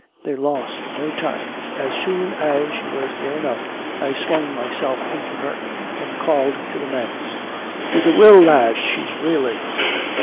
They lost no time. As soon as she was near enough, I swung myself into her, and called to the men, "With a will, lads! She's reeling!"